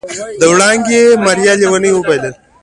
وړانګې ماريا ليونۍ وبلله.